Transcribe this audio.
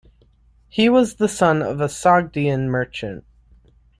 He was the son of a Sogdian merchant.